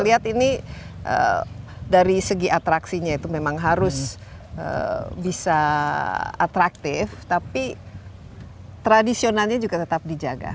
jadi dari segi atraksinya itu memang harus bisa atraktif tapi tradisionalnya juga tetap dijaga